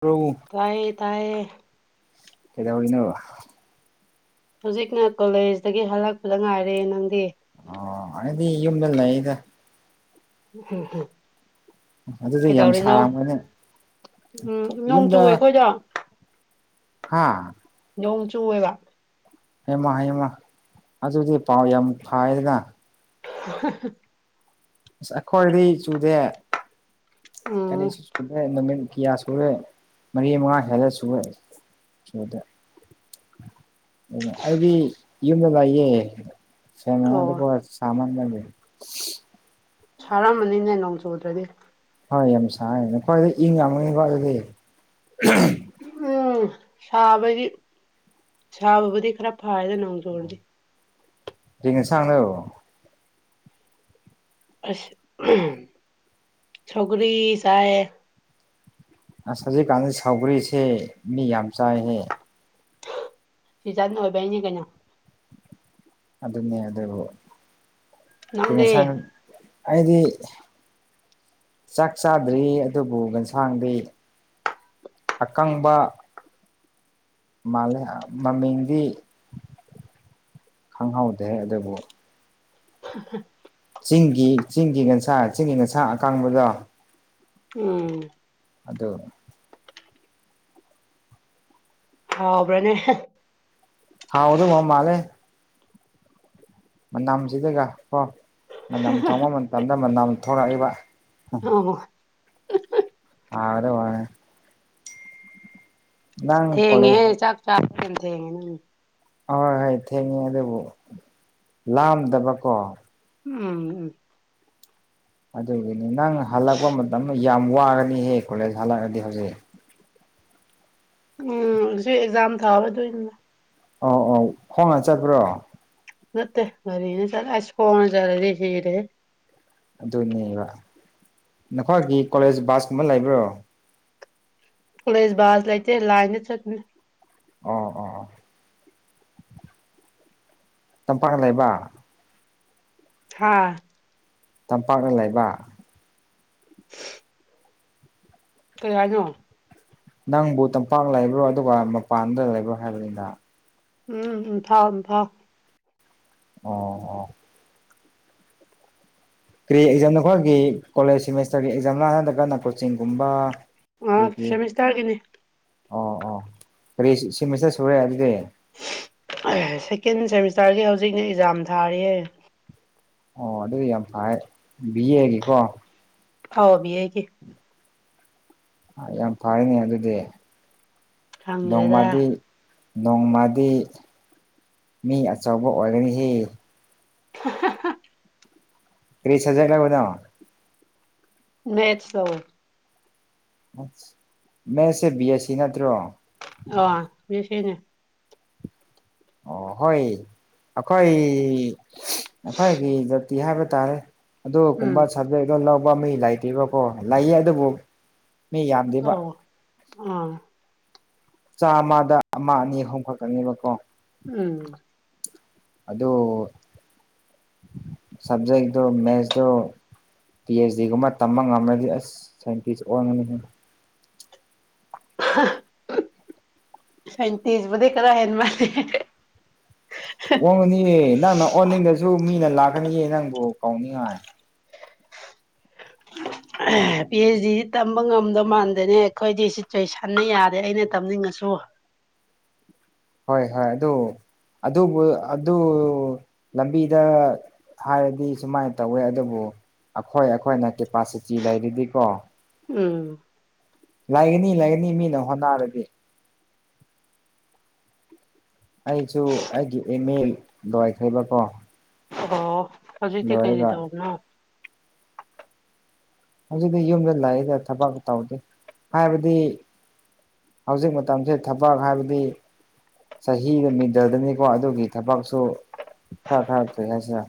ꯀꯣꯎ ꯇꯥꯏꯌꯦ ꯇꯥꯏꯌꯦ ꯇꯩꯗ ꯑꯣꯏꯅꯣ ꯍꯧꯖꯤꯛꯅ ꯀꯣꯂꯦꯖꯇꯒꯤ ꯍꯜꯂꯛꯄꯗ ꯉꯥꯏꯔꯦ ꯅꯪꯗꯤ ꯑꯣ ꯑꯗꯤ ꯌꯨꯝꯗ ꯂꯩꯏꯗ ꯎ ꯍꯝ ꯍꯝ ꯑꯗꯨꯗꯤ ꯌꯥꯝ ꯁꯥꯔꯥꯡꯕꯅꯦ ꯎꯝ ꯅꯣꯡ ꯌꯨꯝꯗ ꯆꯨꯋꯦ ꯑꯩꯈꯣꯏꯗꯣ ꯍꯥꯥ ꯅꯣꯡ ꯆꯨꯑꯦꯕ ꯍꯌꯦꯃꯣ ꯍꯌꯦꯡꯃ ꯑꯗꯨꯗꯤ ꯄꯥꯎ ꯌꯥꯝ ꯐꯥꯏꯔꯒ [unintelligible] ꯑꯁ ꯑꯩꯈꯣꯏꯗꯤ ꯆꯨꯗꯦ ꯎꯝ ꯀꯔꯤꯁꯨ ꯆꯨꯗꯦ ꯅꯨꯃꯤꯠ ꯀꯤꯌꯥ ꯁꯨꯔꯦ ꯃꯔꯤ ꯃꯉꯥ ꯍꯦꯜꯂ ꯁꯨꯔꯦ ꯁꯨꯗ ꯍꯥꯏꯗꯤ ꯌꯃꯦꯕꯏꯌꯦ ꯑꯣ ꯆꯦꯃꯦꯗ ꯁꯥꯃꯅ ꯂ ꯁꯥꯔꯝꯃꯅꯤꯅꯦ ꯅꯣꯡ ꯆꯨꯗ꯭ꯔꯗꯤ ꯍꯣꯏ ꯌꯥꯝ ꯁꯥꯏꯌꯦ ꯅꯈꯣꯏ ꯏꯪ ꯌꯥꯝꯒꯅꯤꯀꯣ ꯑꯗꯨꯗꯤ ꯎꯝ ꯁꯥꯕꯗꯤ ꯁꯥꯕꯕꯨꯗꯤ ꯈꯔ ꯐꯔꯦꯗ ꯅꯣꯡꯖꯨꯨꯔꯗꯤ [unintelligible] ꯑꯁ [unintelligible] ꯁꯧꯒ꯭ꯔꯤ ꯆꯥꯏꯌꯦ ꯑꯁ ꯍꯖꯤꯛ ꯀꯥꯟꯁꯦ ꯁꯥꯎꯈꯒ꯭ꯔꯤꯁꯦ ꯃꯤ ꯌꯥꯝ ꯆꯥꯏꯍꯦ ꯁꯤꯖꯟ ꯑꯣꯏꯕꯩꯅꯦ ꯀꯩꯅꯣ ꯑꯗꯨꯅꯦ ꯑꯗꯨꯕꯨ ꯅꯪꯗꯤ ꯀꯩꯁꯥꯡ ꯑꯩꯗꯤ ꯆꯥꯛ ꯆꯥꯗ꯭ꯔꯤ ꯑꯗꯨꯕꯨ ꯑꯦꯟꯁꯥꯡꯗꯤ ꯑꯀꯪꯕ ꯃꯥꯂꯦ ꯃꯃꯤꯡꯗꯤ ꯈꯪꯍꯧꯗꯦ ꯑꯗꯨꯕꯨ [unintelligible] ꯆꯤꯡꯒꯤ ꯆꯤꯡꯒꯤ ꯉꯁꯥ ꯆꯤꯡꯒꯤ ꯉꯟꯁꯥ ꯑꯀꯪꯕꯗꯣ ꯎꯝ ꯑꯗꯨ ꯍꯥꯎꯕ꯭ꯔꯥꯅꯦ ꯍꯥꯎꯗꯧꯕ ꯃꯥꯜꯂꯦ ꯃꯅꯝꯁꯤꯗꯒꯀꯣ ꯃꯅꯝ ꯊꯣꯡꯕ ꯃꯇꯝꯗ ꯃꯅꯝ ꯊꯣꯔꯛꯏꯕ ꯑꯣ ꯑꯗꯨ ꯋꯥꯅꯦ ꯅꯪ ꯊꯦꯡꯉꯦ ꯍꯦ ꯀꯣꯂꯦꯖ ꯆꯥꯛ ꯆꯥ [unintelligible] ꯑꯣ ꯍꯣꯏ ꯊꯦꯡꯉꯦ ꯑꯗꯨꯕꯨ ꯂꯥꯝꯗꯕꯀꯣ ꯎꯝ ꯎꯝ ꯑꯗꯨꯒꯤꯅꯤ ꯅꯪ ꯍꯜꯂꯛꯄ ꯃꯇꯝꯗ ꯌꯥꯝ ꯋꯥꯔꯅꯤꯍꯦ ꯀꯣꯂꯦꯖ ꯍꯜꯂꯛꯑꯗꯤ ꯍꯧꯖꯤꯛ ꯎꯝ ꯁꯤ ꯑꯦꯛꯖꯥꯝ ꯊꯥꯕꯗꯣꯏꯅꯤ ꯑꯣ ꯑꯧ ꯈꯣꯡꯅ ꯆꯠꯄ꯭ꯔꯣ ꯅꯠꯇꯦ ꯒꯥꯔꯤꯅ ꯆꯠ ꯑꯁ ꯈꯣꯡꯅ ꯆꯠꯂꯗꯤ ꯁꯤꯔꯦꯍꯦ ꯑꯗꯨꯅꯦꯕ ꯅꯈꯣꯏꯒꯤ ꯀꯣꯂꯦꯖ ꯕꯥꯁꯀꯨꯝꯕ ꯂꯩꯕ꯭ꯔꯣ ꯀꯣꯂꯦꯖ ꯕꯥꯁ ꯂꯩꯇꯦ ꯂꯥꯏꯟꯗ ꯆꯠꯄꯅꯦ ꯑꯣ ꯑꯣ ꯇꯝꯄꯥꯛ ꯂꯩꯕ ꯍꯥ ꯇꯝꯄꯥꯛꯅ ꯂꯩꯕ ꯀꯩ ꯍꯥꯏꯅꯣ ꯅꯪꯕꯨ ꯇꯝꯄꯥꯛ ꯂꯩꯕ꯭ꯔꯣ ꯑꯗꯨꯒ ꯃꯄꯥꯟꯗ ꯂꯩꯕ꯭ꯔꯣ ꯍꯥꯏꯕꯅꯤꯅ ꯎꯝ ꯎꯝ ꯊꯥꯎ ꯎꯝ ꯊꯥꯎ ꯑꯣ ꯑꯣ ꯀꯔꯤ ꯑꯦꯛꯖꯥꯝ ꯅꯈꯣꯏꯒꯤ ꯀꯣꯂꯦꯖ ꯁꯦꯃꯦꯁꯇꯔꯒꯤ ꯑꯦꯛꯖꯥꯝ ꯂꯥ ꯅꯠꯇ꯭ꯔꯥ ꯅꯈꯣꯏ ꯆꯤꯡꯒꯨꯝꯕ ꯑꯥ ꯁꯦꯃꯤꯁꯇꯔꯒꯤꯅꯤ [unintelligible] ꯑꯣ ꯑꯣ ꯀꯔꯤ ꯁꯦꯃꯤꯁꯇꯔ ꯁꯨꯔꯦ ꯑꯗꯨꯗꯤ [unintelligible] ꯁꯦꯀꯦꯟ ꯁꯦꯃꯤꯁꯇꯔꯒꯤ ꯍꯧꯖꯤꯛꯅ ꯑꯦꯛꯖꯥꯝ ꯊꯥꯔꯤꯌꯦ ꯑꯣ ꯑꯗꯨ ꯌꯥꯝ ꯐꯔ ꯕꯤꯌꯦꯒꯤꯀꯣ ꯑꯥꯎ ꯕꯤꯌꯦꯒꯤ ꯌꯥꯝ ꯐꯔꯦꯅꯦ ꯑꯗꯨꯗꯤ ꯈꯪꯗ꯭ꯔꯦꯗ ꯅꯣꯡꯃꯥꯗꯤ ꯅꯣꯡꯃꯗꯤ ꯃꯤ ꯑꯆꯧꯕ ꯑꯣꯏꯒꯅꯤꯍꯦ [unintelligible] ꯀꯔꯤ ꯁꯕꯖꯦꯛ ꯂꯧꯕꯅꯣ ꯃꯦꯠꯁ ꯂꯧꯋꯦ ꯃꯦꯠꯁꯦ ꯕꯤ ꯑꯦꯁ ꯁꯤ ꯅꯠꯇ꯭ꯔꯣ ꯑ ꯕꯤ ꯑꯦ ꯁꯤꯅꯦ ꯑꯣ ꯍꯣꯏ ꯑꯩꯈꯣꯏ ꯑꯩꯈꯣꯏꯒꯤ ꯇꯤ ꯍꯥꯏꯕ ꯇꯥꯔꯦ ꯎꯝ ꯑꯗꯨꯒꯨꯝꯕ ꯁꯕꯖꯦꯛ ꯑꯗꯨꯣ ꯂꯧꯕ ꯃꯤ ꯂꯩꯇꯦꯕꯀꯣ ꯂꯩꯌꯦ ꯑꯗꯨꯕꯨ ꯃꯤ ꯌꯥꯝꯗꯦꯕ ꯑꯣ ꯑꯥ ꯆꯥꯃꯗ ꯑꯃ ꯑꯅꯤ ꯑꯍꯨꯝ ꯈꯛꯛꯇꯅꯦꯕꯀꯣ ꯎꯝ ꯑꯗꯨ ꯁꯕꯖꯦꯛꯗꯨ ꯃꯦꯊꯁꯗꯨ ꯄꯤ ꯑꯩꯆ ꯗꯤꯒꯨꯝꯕ ꯇꯝꯕ ꯉꯝꯂꯗꯤ ꯑꯁ ꯁꯥꯏꯟꯇꯤꯁ ꯑꯣꯟꯒꯅꯤ ꯁꯥꯏꯟꯇꯖꯕꯨꯗꯤ ꯈꯔ ꯍꯦꯟ ꯃꯥꯜꯜꯂꯤꯦ ꯑꯣꯡꯉꯅꯤꯌꯦ ꯅꯪꯅ ꯑꯣꯟꯅꯤꯡꯗꯁꯨ ꯃꯤꯅ ꯂꯥꯛꯀꯅꯤꯌꯦ ꯅꯪꯕꯨ ꯀꯧꯅꯤꯡꯉꯥꯏ ꯎꯝ ꯄꯤ ꯑꯩꯆ ꯗꯤ ꯇꯝꯕ ꯉꯝꯗꯧ ꯃꯥꯟꯗꯅꯦ ꯑꯩꯈꯣꯏꯗꯤ ꯁꯤꯆꯨꯋꯦꯁꯟꯅ ꯌꯥꯗꯦ ꯑꯩꯅ ꯇꯝꯅꯤꯡꯉꯥꯁꯨ ꯍꯣꯏ-ꯍꯣꯏ ꯑꯗꯨ-ꯑꯗꯨꯕꯨ-ꯑꯗꯨ ꯂꯝꯕꯤꯗ ꯍꯥꯏꯔꯗꯤ ꯁꯨꯃꯥꯏꯅ ꯇꯧꯋꯦ ꯑꯗꯨꯕꯨ ꯑꯈꯣꯏ ꯑꯈꯣꯏꯅ ꯀꯦꯄꯥꯁꯤꯇꯤ ꯂꯩꯔꯤꯗꯤꯀꯣ ꯎꯝ ꯂꯩꯒꯅꯤ ꯂꯩꯒꯅꯤ ꯃꯤꯅ ꯍꯣꯠꯅꯔꯗꯤ ꯑꯩꯁꯨ ꯑꯩꯒꯤ ꯏꯃꯦꯜ ꯂꯥꯏꯈ꯭ꯔꯕꯀꯣ ꯑꯣ ꯍꯧꯖꯤꯛꯇꯤ ꯀꯩꯔꯤ ꯇꯧꯕꯅꯣ ꯍꯧꯖꯤꯛꯇꯤ ꯌꯨꯝꯗ ꯂꯥꯛꯏꯗ ꯊꯕꯛ ꯇꯧꯗꯦ ꯍꯥꯏꯕꯗꯤ ꯍꯧꯖꯤꯛ ꯃꯇꯝꯁꯦ ꯊꯕꯛ ꯍꯥꯏꯕꯗꯤ ꯆꯍꯤꯒ ꯃꯤꯗꯜꯗꯅꯤꯀꯣ ꯑꯗꯨꯒꯤ ꯊꯕꯛꯁꯨ ꯈꯔ ꯈꯔ ꯀꯔꯤꯍꯥꯏꯁꯤꯔ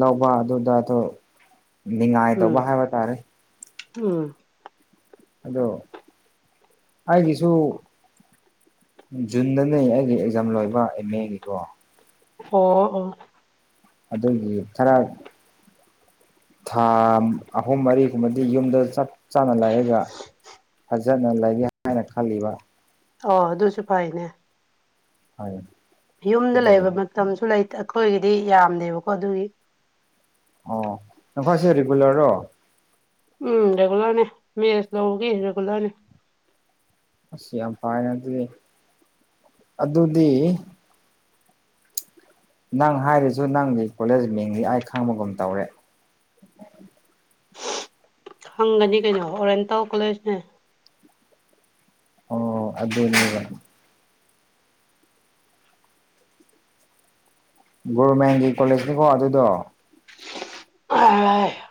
ꯂꯧꯕ ꯑꯗꯨꯗ ꯑꯗꯨ ꯅꯤꯡꯉꯥꯏ ꯑꯗꯨꯕ ꯎꯝ ꯍꯥꯏꯕ ꯇꯥꯔꯦ ꯎꯝ ꯑꯗꯣ ꯑꯩꯒꯤꯁꯨ ꯖꯨꯟꯗꯅꯦ ꯑꯩꯒꯤ ꯑꯦꯛꯖꯥꯝ ꯂꯣꯏꯕ ꯑꯦꯝ ꯑꯦꯒꯤꯀꯣ ꯑꯣ ꯑꯣ ꯑꯗꯨꯒꯤ ꯈꯔ ꯊꯥ ꯑꯍꯨꯝ ꯃꯔꯤꯒꯨꯝꯕꯗꯤ ꯌꯨꯝꯗ ꯆꯞ ꯆꯥꯅ ꯂꯩꯔꯒ ꯐꯖꯅ ꯂꯩꯒꯦ ꯍꯥꯏꯅ ꯈꯜꯂꯤꯕ ꯑꯣ ꯑꯗꯨꯁꯨ ꯐꯩꯅꯦ ꯍꯣꯏ ꯌꯨꯝꯗ ꯂꯩꯕ ꯑꯗꯨꯒꯅꯤ ꯃꯇꯝꯁꯨ ꯂꯩ ꯑꯩꯈꯣꯏꯒꯤꯗꯤ ꯌꯥꯝꯗꯦꯕꯀꯣ ꯑꯗꯨꯒꯤ ꯑꯣ ꯅꯈꯣꯏꯁꯦ ꯔꯤꯒꯨꯂ꯭ꯔꯔꯣ ꯎꯝ ꯔꯦꯒꯨꯂꯔꯅꯦ ꯃꯦꯁ ꯂꯧꯒꯤ ꯔꯦꯒꯨꯂꯔꯅꯦ ꯑꯁ ꯌꯥꯝ ꯐꯥꯏꯅ ꯑꯗꯨꯗꯤ ꯑꯗꯨꯗꯤ ꯅꯪ ꯍꯥꯏꯔꯤꯁꯨ ꯅꯪꯒꯤ ꯀꯣꯂꯦꯖ ꯃꯤꯡꯅꯤ ꯑꯩ ꯈꯪꯕꯒꯨꯝ ꯇꯧꯔꯦ ꯍꯪꯒꯅꯤ ꯀꯩꯅꯣ ꯑꯣꯔꯌꯦꯦꯟꯇꯦꯜ ꯀꯣꯂꯦꯖꯅꯦ ꯑꯣ ꯑꯗꯨꯗ ꯒꯣꯔꯔꯃꯦꯟꯒꯤ ꯀꯣꯂꯦꯖꯅꯤꯀꯣ ꯑꯗꯨꯗꯣ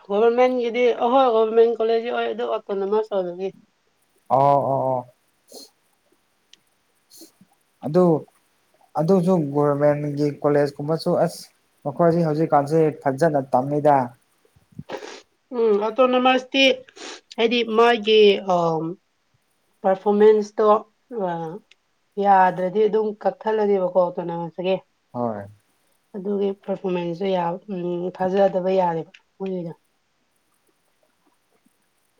ꯒꯣꯚꯔꯃꯦꯟꯒꯤꯗꯤ ꯑꯍꯣꯏ ꯒꯕꯔꯃꯦꯟ ꯀꯣꯂꯦꯖ ꯑꯣꯏ ꯑꯗꯨ ꯑꯇꯅ ꯑꯃ ꯆꯧꯂꯒꯤ ꯑꯣ ꯑꯣ ꯑꯣ ꯑꯗꯨ ꯑꯗꯨꯁꯨ ꯒꯣꯔꯃꯦꯟꯗꯒꯤ ꯀꯣꯂꯦꯖ ꯀꯨꯝꯕꯁꯨ ꯑꯁ ꯃꯈꯣꯏꯁꯤ ꯍꯧꯖꯤꯛꯀꯥꯟꯁꯤꯦ ꯐꯖꯅ ꯇꯝꯃꯤꯗ ꯎꯝ ꯑꯣꯇꯣꯅꯣꯃꯁꯇꯤ ꯍꯥꯏꯗꯤ ꯃꯥꯒꯤ ꯑ ꯄꯔꯐꯣꯔꯃꯦꯟꯁꯇꯣ ꯌꯥꯗ꯭ꯔꯗꯤ ꯑꯗꯨꯝ ꯀꯛꯊꯠꯂꯅꯦꯕꯀꯣ ꯑꯣꯇꯣꯅꯣꯃꯁꯇꯒꯤ ꯍꯣꯏ ꯑꯗꯨꯒꯤ ꯄꯔꯐꯣꯔꯃꯦꯟꯁꯁꯨ ꯊꯥꯖꯗꯕ ꯌꯥꯔꯦꯕ ꯃꯣꯏꯒꯤꯗꯣ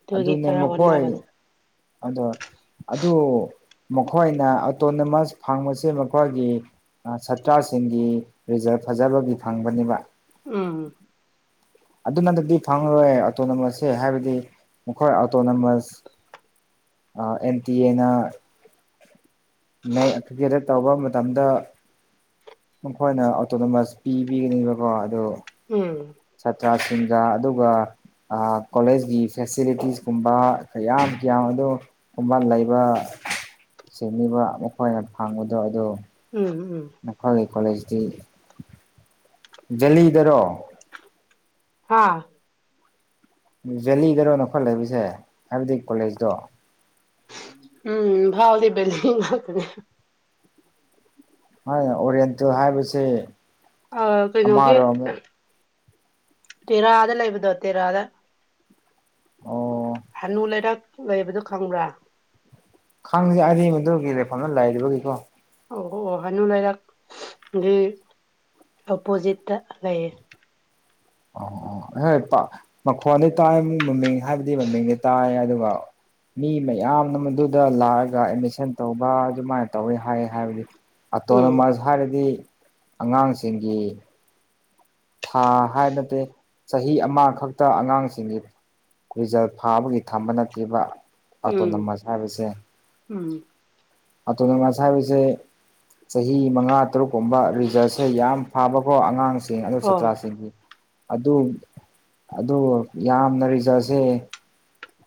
ꯑꯗꯨꯒꯤ ꯑꯗꯨꯅꯦ ꯈꯔ ꯃꯈꯣꯏ ꯍꯣꯠꯅꯕꯅꯦ ꯑꯗꯣ ꯑꯗꯨ ꯃꯈꯣꯏꯅ ꯑꯣꯇꯣꯅꯣꯃꯁ ꯐꯪꯕꯁꯦ ꯃꯈꯣꯏꯒꯤ ꯁꯥꯇ꯭ꯔꯁꯤꯡꯒꯤ ꯔꯤꯖꯜ ꯐꯖꯕꯒꯤ ꯐꯪꯕꯅꯦꯕ ꯎꯝ ꯑꯗꯨ ꯅꯠꯇꯗꯤ ꯐꯪꯉꯔꯣꯏ ꯑꯣꯇꯣꯅꯣꯃꯁꯁꯦ ꯍꯥꯏꯕꯗꯤ ꯃꯈꯣꯏ ꯑꯣꯇꯣꯅꯣꯃꯁ ꯑ ꯑꯦꯟ ꯇꯤ ꯑꯦꯅ ꯅ ꯀ꯭ꯔꯤꯀꯦꯠꯇ ꯇꯧꯕ ꯃꯇꯝꯗ ꯃꯈꯣꯏꯅ ꯑꯣꯇꯣꯅꯣꯃꯁ ꯄꯤꯕꯤꯒꯅꯤꯕꯀꯣ ꯑꯗꯣ ꯎꯝ ꯁꯥꯇ꯭ꯔꯁꯤꯡꯒ ꯑꯗꯨꯒ ꯑꯥ ꯀꯣꯂꯦꯖꯀꯤ ꯐꯦꯁꯤꯂꯤꯇꯤꯁ ꯀꯨꯝꯕ ꯀꯌꯥꯝ ꯌꯥꯝ ꯑꯗꯣ ꯀꯨꯝꯕꯥꯜ ꯂꯩꯕ ꯁꯦꯝꯃꯤꯕ ꯃꯈꯣꯏꯅ ꯐꯪꯕꯗꯣ ꯑꯗꯨ ꯎꯝ ꯎꯝ ꯅꯈꯣꯏꯒꯤ ꯀꯣꯂꯦꯖꯇꯤ ꯂꯤꯗꯔꯣ ꯍꯥꯥ ꯖꯦꯂꯤꯗꯔꯣ ꯅꯈꯣꯠꯂꯕꯁꯦ ꯍꯥꯏꯕꯗꯤ ꯀꯣꯂꯦꯖꯇꯣ ꯎꯝ ꯏꯝꯐꯥꯜꯗꯤ ꯕꯦꯆꯤꯡꯍꯨꯠꯅꯦ ꯃꯥꯟꯅ ꯑꯣꯔꯦꯟꯇꯨ ꯍꯥꯏꯕꯁꯦ ꯑ ꯀꯩꯅꯣꯒꯤ ꯑꯃꯔꯣꯝ ꯇꯦꯔꯥꯗ ꯂꯩꯕꯗꯣ ꯇꯦꯔꯥꯗ ꯑꯣ ꯍꯅꯨ ꯂꯩꯔꯛ ꯂꯩꯕꯗꯨꯣ ꯈꯪꯕ꯭ꯔꯥ ꯈꯪꯗꯦ ꯑꯔꯤꯕꯗꯨꯒꯤ ꯔꯦꯛꯐꯝꯗ ꯂꯩꯔꯤꯕꯒꯤꯀꯣ ꯑꯣ ꯑꯣ ꯑꯣ ꯍꯥꯏꯅꯨ ꯂꯩꯔꯛ ꯒꯤ ꯑꯣꯄꯣꯖꯤꯠꯇ ꯂꯩꯌꯦ ꯑꯣ ꯍꯦꯞꯄ ꯃꯈꯣꯟꯗꯤ ꯇꯥꯏ ꯃꯃꯤꯡ ꯍꯥꯏꯕꯗꯤ ꯃꯃꯤꯡꯗꯤ ꯇꯥꯏ ꯑꯗꯨꯒ ꯃꯤ ꯃꯌꯥꯝꯅ ꯃꯗꯨꯗ ꯂꯥꯛꯑꯒ ꯑꯦꯗꯃꯤꯁꯟ ꯇꯧꯕ ꯑꯗꯨꯃꯥꯏꯅ ꯇꯧꯋꯤ ꯍꯥꯏ ꯍꯥꯏꯕꯗꯤ ꯎꯝ ꯑꯇꯣꯅꯣꯃꯁ ꯍꯥꯏꯔꯗꯤ ꯑꯉꯥꯡꯁꯤꯡꯒꯤ ꯊꯥ ꯍꯥꯏ ꯅꯠꯇꯦ ꯆꯍꯤ ꯑꯃꯈꯛꯇ ꯑꯉꯥꯡꯁꯤꯡꯒꯤ ꯔꯤꯖꯜ ꯐꯥꯕꯒꯤ ꯊꯝꯕ ꯅꯠꯇꯤꯕ ꯎꯝ ꯑꯣꯇꯣꯅꯣꯃꯁ ꯍꯥꯏꯕꯁꯦ ꯎꯝ ꯑ ꯑꯗꯨꯅ ꯉꯁꯥꯏꯕꯤꯁꯦ ꯆꯍꯤ ꯃꯉꯥ ꯇꯔꯨꯛꯀꯨꯝꯕ ꯔꯤꯖꯜꯁꯦ ꯌꯥꯝ ꯐꯥꯕꯀꯣ ꯑꯉꯥꯡꯁꯤꯡ ꯑꯗꯨ ꯑꯣ ꯁꯥꯇ꯭ꯔꯁꯤꯡ ꯑꯗꯨ ꯑꯗꯨ ꯌꯥꯝꯅ ꯔꯤꯖꯜꯁꯦ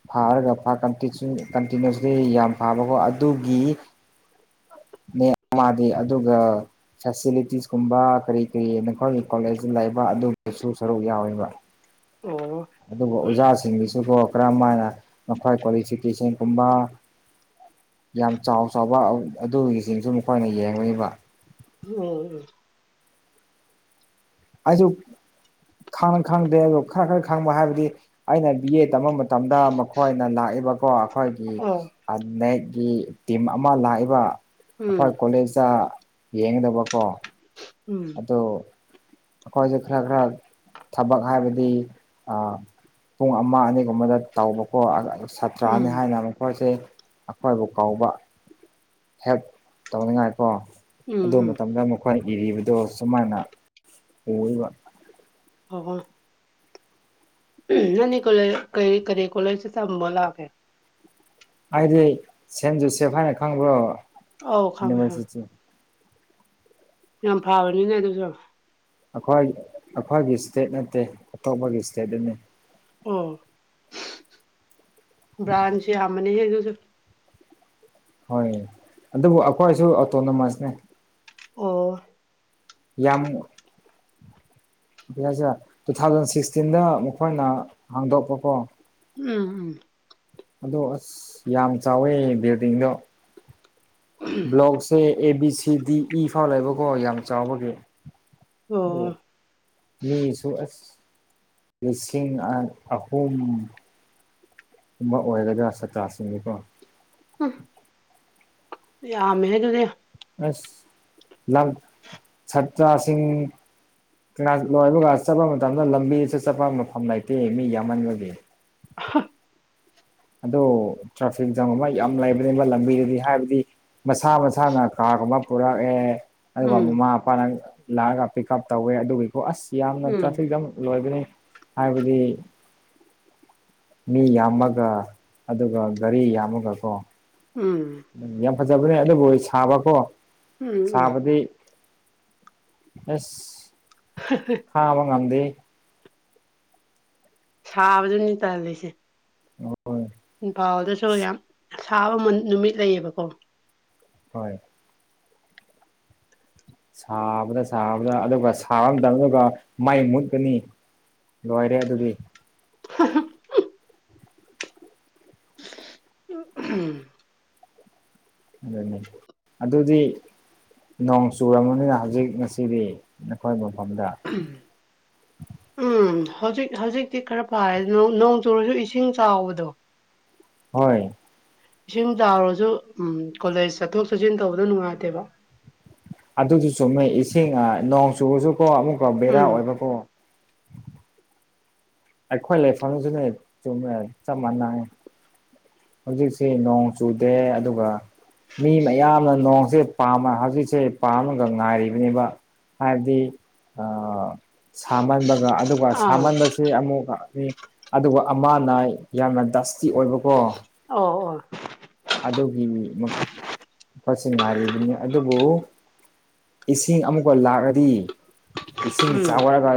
ꯐꯥꯔꯒ ꯄꯥꯀꯟꯇꯤꯆꯨꯠ ꯀꯟꯇꯤꯅꯨꯁꯂꯤ ꯌꯥꯝ ꯐꯥꯕꯀꯣ ꯑꯗꯨꯒꯤ ꯃꯥꯗꯤ ꯑꯗꯨꯒ ꯐꯦꯁꯤꯂꯤꯇꯤꯁ ꯀꯨꯝꯕ ꯀꯔꯤ-ꯀꯔꯤ ꯅꯈꯣꯏꯒꯤ ꯀꯣꯂꯦꯖ ꯂꯩꯕ ꯑꯗꯨꯒꯤꯁꯨ ꯁꯔꯨꯛ ꯌꯥꯎꯋꯦꯕ ꯑꯣ ꯑꯗꯨꯒ ꯑꯣꯖꯥꯁꯤꯡꯒꯤꯁꯨꯒꫭ ꯀꯔꯝ ꯍꯥꯏꯅ ꯃꯈꯣꯏ ꯀ꯭ꯋꯥꯂꯤꯐꯤꯀꯦꯁꯟꯒꯨꯝꯕ ꯌꯥꯝ ꯆꯥꯎ ꯑ ꯑꯕꯥꯛ ꯑꯗꯨꯒꯤꯁꯤꯡꯁꯨ ꯃꯈꯣꯏꯅ ꯌꯦꯡꯉꯕ ꯎꯝ ꯎ ꯑꯩꯁꯨ ꯈꯪꯅ ꯈꯪꯗꯦ ꯑ ꯈꯔ ꯈꯔ ꯈꯪꯕ ꯍꯥꯏꯕꯗꯤ ꯑꯩꯅ ꯕꯤ ꯑꯦ ꯇꯃꯝꯕ ꯃꯇꯝꯗ ꯃꯈꯣꯏꯅ ꯂꯥꯛꯏꯕꯀꯣ ꯑꯈꯣꯏ ꯑꯣ ꯑꯅꯦꯒꯤ ꯇꯤꯝ ꯑꯃ ꯂꯥꯛꯏꯕ ꯎꯝ ꯑꯩꯈꯣꯏ ꯀꯣꯂꯦꯖꯇ ꯌꯦꯡꯒꯗꯕꯀꯣ ꯎꯝ ꯑꯗꯨ ꯑꯩꯈꯣꯏꯁꯦ ꯈꯔ ꯈꯔ ꯊꯕꯛ ꯍꯥꯏꯕꯗꯤ ꯑ ꯄꯨꯡ ꯑꯃ ꯑꯅꯤꯒꯨꯝꯕꯗ ꯇꯧꯕꯀꯣ ꯑ ꯑꯁ ꯎꯝ ꯆꯥꯔꯅꯤ ꯍꯥꯏꯅ ꯃꯈꯣꯏꯁꯦ ꯑꯩꯈꯣꯏꯕꯨ ꯀꯧꯕꯥꯎꯕ ꯍꯦꯜꯞ ꯇꯧꯅꯤꯡꯉꯥꯏꯀꯣ ꯎꯝ ꯑꯗꯨ ꯎꯝ ꯃꯇꯝꯗ ꯑꯃꯨꯛ ꯑꯩꯈꯣꯏꯅ ꯏꯔꯤꯕꯗꯣ ꯁꯨꯃꯥꯏꯅ ꯑꯣꯏꯕ ꯍꯣ-ꯍꯣꯏ ꯅꯪꯅꯤ ꯀꯣ ꯂꯩ ꯀꯔꯤ ꯀꯔꯤ ꯀꯣ ꯂꯩꯁꯦ ꯇꯝꯕ ꯂꯥꯛꯀꯦ ꯑꯩꯗꯤ ꯁꯦꯟ ꯖꯨꯁꯦꯐ ꯍꯥꯏꯅ ꯈꯪꯕ꯭ꯔꯣ ꯑꯧ ꯈꯪꯉꯦ ꯈꯪꯉꯦ ꯌꯨꯅꯤꯚꯔꯁꯤꯇꯤ ꯌꯥꯝ ꯐꯥꯕꯅꯤꯅꯦ ꯑꯗꯨꯁꯨ ꯑꯩꯈꯣꯏ ꯑꯩꯈꯣꯏꯒꯤ ꯏꯁꯇꯦꯠ ꯅꯠꯇꯦ ꯑꯇꯣꯞꯄꯒꯤ ꯏꯁꯇꯦꯠ ꯗꯅꯤ ꯑꯣ ꯕ꯭ꯔꯥꯟꯁꯨ ꯌꯥꯝꯃꯅꯤ ꯑꯗꯨꯁꯨ ꯍꯣꯏ ꯑꯗꯨꯕꯨ ꯑꯩꯈꯣꯏꯁꯨ ꯑꯣꯇꯣꯅꯣꯃꯁꯅꯦ ꯑꯣ ꯌꯥꯝꯃꯨ ꯔꯥꯖꯥ ꯇꯨ ꯊꯥꯎꯖꯟ ꯁꯤꯛꯁꯇꯤꯟꯗ ꯃꯈꯣꯏꯅ ꯍꯥꯡꯗꯣꯛꯄꯀꯣ ꯎꯝ ꯎꯝ ꯑꯗꯣ ꯑꯁ ꯌꯥꯝ ꯆꯥꯎꯋꯦ ꯕꯤꯜꯗꯤꯡꯗꯣ ꯎꯝ ꯕ꯭ꯂꯣꯛꯁ ꯁꯦ ꯑꯦ ꯕꯤ ꯁꯤꯗꯤ ꯏ ꯐꯥꯎ ꯂꯩꯕꯀꯣ ꯌꯥꯝ ꯆꯥꯎꯕꯒꯤ ꯑꯣ ꯑꯗꫭ ꯃꯤꯁꯨ ꯑꯁ ꯂꯤꯁꯤꯡ ꯑꯥ-ꯑꯍꯨꯝ ꯎꯝꯕ ꯑꯣꯏꯔꯒ ꯁꯥꯇꯥ꯭ꯔꯁꯤꯡꯅꯤꯀꯣ ꯎꯝ ꯌꯥꯝꯃꯦꯍꯦ ꯑꯗꯨꯗꯤ ꯑꯁ ꯂꯝ [inaudible] ꯁꯠꯇ꯭ꯔꯥꯁꯤꯡ ꯂꯟꯇꯣꯏꯕꯒ ꯆꯠꯄ ꯃꯇꯝꯗ ꯂꯝꯕꯤꯗ ꯆꯠꯐꯝ ꯃꯐꯝ ꯂꯩꯇꯦ ꯃꯤ ꯌꯥꯝꯃꯟꯕꯒꯤ ꯑꯍꯥ ꯑꯗꯣ ꯇ꯭ꯔꯥꯐꯤꯛ ꯖꯥꯝ ꯑꯃ ꯌꯥꯝ ꯂꯩꯕꯅꯦꯕ ꯂꯝꯕꯤꯗꯗꯤ ꯍꯥꯏꯕꯗꯤ ꯃꯁꯥ-ꯃꯁꯥꯅ ꯀꯥꯔꯒꯨꯝꯕ ꯄꯨꯔꯛꯑꯦ ꯑꯗꯨꯒ ꯎꯝ ꯃꯃꯥ ꯃꯄꯥ ꯅꯪ ꯂꯥꯛꯑꯒ ꯄꯤꯛ ꯎꯞ ꯇꯧꯋꯦ ꯑꯗꯨꯒꯤ ꯑꯣ ꯑꯁ ꯌꯥꯝꯅ ꯎꯝ ꯇ꯭ꯔꯥꯐꯤꯛꯇ ꯂꯣꯏꯕꯅꯤ ꯍꯥꯏꯕꯗꯤ ꯃꯤ ꯌꯥꯝꯃꯒ ꯑꯗꯨꯒ ꯒꯥꯔꯤ ꯌꯥꯝꯃꯒ ꯀꯣ ꯎꯝ ꯎꯝ ꯌꯥꯝ ꯐꯖꯕꯅꯦ ꯑꯗꯨꯕꯨ ꯁꯥꯕꯀꯣ ꯎꯝ ꯎꯝ ꯁꯥꯕꯗꯤ ꯑꯁ ꯍꯥ-ꯍꯥ ꯐꯥꯕ ꯉꯝꯗꯦ ꯁꯥꯕꯗꯨꯅꯤ ꯇꯟꯂꯤꯁꯦ ꯍꯣꯏ ꯏꯝꯐꯥꯜꯗꯁꯨ ꯌꯥꯝ ꯁꯥꯕ ꯅꯨꯃꯤꯠ ꯂꯩꯌꯦꯕꯀꯣ ꯍꯣꯏ ꯁꯥꯕꯗ-ꯁꯥꯕꯗ ꯑꯗꯨꯒ ꯁꯥꯕ ꯃꯇꯝꯗꯀꯣ ꯃꯩ ꯃꯨꯠꯂꯥꯅꯤ ꯂꯣꯏꯔꯦ ꯑꯗꯨꯗꯤ ꯍ ꯍ ꯑꯥꯥꯍꯝ ꯑꯗꯨꯗꯤ ꯅꯣꯡ ꯆꯨꯔꯕꯅꯤꯅ ꯍꯧꯖꯤꯛ ꯉꯁꯤꯗꯤ ꯅꯈꯣꯏ ꯃꯐꯝꯗ ꯎꯝ ꯍꯧꯖꯤꯛ ꯍꯧꯖꯤꯛꯇꯤ ꯈꯔ ꯐꯥꯏꯔꯦ ꯅꯣꯡ ꯆꯨꯔꯁꯨ ꯏꯁꯤꯡ ꯆꯥꯎꯕꯗꯣ ꯍꯣꯏ ꯏꯁꯤꯡ ꯇꯥꯎꯔꯁꯨ ꯎꯝ ꯀꯣꯂꯦꯖ ꯆꯠꯊꯣꯛ ꯆꯠꯁꯤꯟ ꯇꯧꯕꯗꯣ ꯅꯨꯡꯉꯥꯏꯇꯦꯕ ꯑꯗꯨꯁꯨ ꯆꯨꯝꯃꯦ ꯏꯁꯤꯡ ꯅꯣꯡ ꯆꯨꯕꯁꯨꯀꯣ ꯑꯃꯨꯛꯀ ꯕꯦꯔꯥ ꯎꯝ ꯑꯣꯏꯕꯀꯣ ꯑꯩꯈꯣꯏ ꯂꯩꯥꯏꯐꯝꯁꯨꯅꯦ ꯆꯨꯝꯃꯦ ꯆꯞ ꯃꯥꯟꯅꯌꯦ ꯍꯧꯖꯤꯛꯁꯤ ꯅꯣꯡ ꯆꯨꯗꯦ ꯑꯗꯨꯒ ꯃꯤ ꯃꯌꯥꯝ ꯑꯃ ꯅꯣꯡꯁꯦ ꯄꯥꯝ ꯍꯧꯖꯤꯛꯁꯦ ꯄꯥꯝꯃꯥꯒ ꯉꯥꯏꯔꯤꯅꯦꯕ ꯍꯥꯏꯕꯗꯤ ꯑꯥ ꯁꯥꯃꯟꯕꯒ ꯑꯗꯨꯒ ꯑꯥ ꯁꯥꯃꯟꯕꯁꯤ ꯁꯦ ꯑꯃꯨꯛ ꯑꯗꯨꯒ ꯑꯃꯅꯥ ꯌꯥꯝꯅ ꯗꯁꯇꯤ ꯑꯣꯏꯕꯀꯣ ꯑꯣ ꯑꯣ ꯑꯗꯨꯒꯤꯅꯤ ꯃꯆꯤꯟ ꯉꯥꯏꯔꯤꯕꯅꯤ ꯑꯗꯨꯕꯨ ꯏꯁꯤꯡ ꯑꯃꯨꯛꯀꯥ ꯂꯥꯛꯑꯥꯗꯤ ꯏꯁꯤꯡ ꯎꯝ ꯆꯥꯎꯔꯥꯒ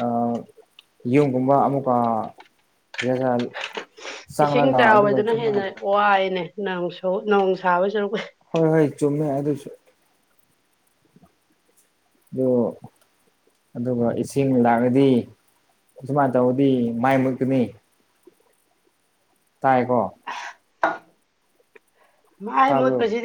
ꯑꯩ ꯌꯨꯒꯨꯝꯕ ꯑꯃꯨꯛꯀ ꯔꯦꯖꯟ ꯏꯁꯤꯡ ꯆꯥꯎꯕꯗꯨꯅ ꯍꯦꯟꯅ ꯋꯥꯏꯅꯦ ꯅꫭꯡꯁꯨ ꯅꯣꯡ ꯁꯥꯕ ꯁꯔꯨꯛ ꯄꯨꯗꯤ ꯍꯣꯏ ꯍꯣꯏ ꯆꯨꯝꯃꯦ ꯑꯗꯨꯁꯨ ꯑꯗꯨ ꯑꯗꯨꯒ ꯏꯁꯤꯡ ꯂꯥꯛꯔꯗꯤ ꯑꯁꯨꯃꯥꯏꯅ ꯇꯧꯕꯗꯤ ꯃꯥꯏ ꯃꯨꯠꯀꯅꯤ ꯇꯥꯏꯀꯣ ꯃꯥꯥꯏ ꯇꯥꯕ꯭ꯔꯣ ꯃꯣꯠꯄꯁꯤ